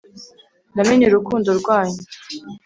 namenye urukundo rwanyu